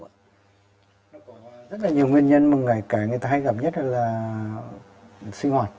rất là nhiều nguyên nhân mà ngày kể người ta hay gặp nhất là sinh hoạt